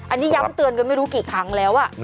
อันนี้ย้ำเตือนกันไม่รู้กี่ครั้งแล้ว